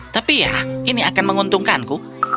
tapi ya ini akan menguntungkanku